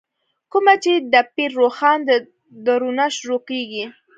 کومه چې دَپير روښان ددورنه شروع کيږې